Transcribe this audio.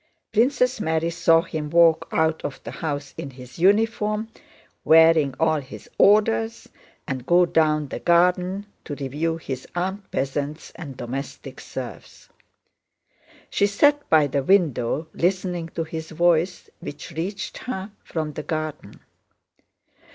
Princess Mary saw him walk out of the house in his uniform wearing all his orders and go down the garden to review his armed peasants and domestic serfs. She sat by the window listening to his voice which reached her from the garden.